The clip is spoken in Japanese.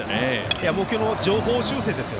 目標も上方修正ですよ。